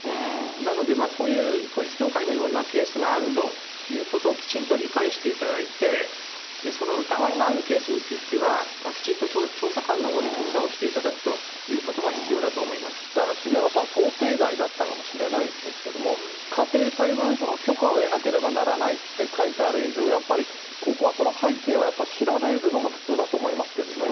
なのでこういう統一教会のようなケースがあるということをきちんと理解していただいて、その疑いがあるケースについては、きちんと調査官のほうで調査をしていただくということが必要だとだから杉山さん、想定外だったかもしれないですけども、家庭裁判所の許可を得なければならないって書いてある以上、やっぱりここは背景はやっぱり調べるのが普通だと思いますけどね。